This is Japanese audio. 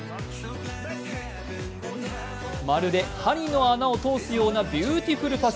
まるで針の穴を通すようなビューティフルパス。